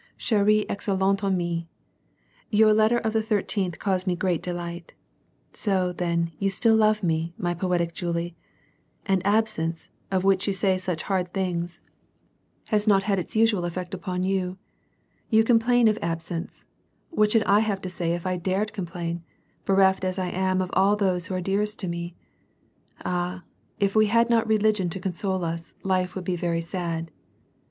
'* Chere et excellente amis: — Your letter of the thirteenth caused me great delight. So, then, you still love me, my poetic Julie. And absence, of which you say such hard thingS| has WAR AND PEACE. 109 not had its usual effect upon you. You complain of absence — what should I have to say if I dared complain, bereft as I am of aU those who are dearest to me ? Ah ! if we had not religion to console us, life would be very sad.